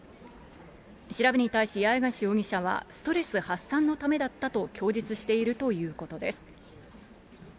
調べに対し、八重樫容疑者は、ストレス発散のためだったと供述しているということです。